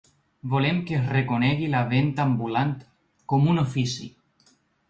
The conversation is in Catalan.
Volem que es reconegui la venta ambulant com un ofici.